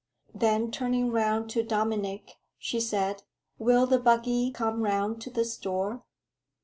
Then turning round to Dominic, she said, "Will the buggy come round to this door?"